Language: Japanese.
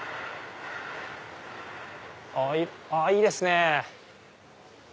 あいいですね！